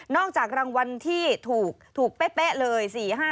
นอกจากรางวัลที่ถูกถูกเป๊ะเลย๔๕๒